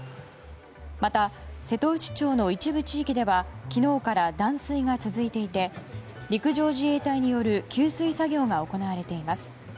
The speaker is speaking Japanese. また瀬戸内町の一部地域では昨日から断水が続いていて陸上自衛隊による給水作業が行われています。